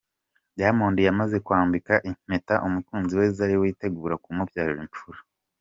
Diamond yamaze kwambika impeta umukunzi we Zari witegura kumubyarira imfura.